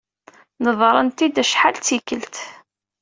Nedṛen-t-id acḥal d tikelt.